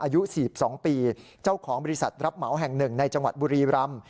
อายุ๔๒ปีเจ้าของบริษัทรับเหมาแห่งหนึ่งในจังหวัดบุรีรำ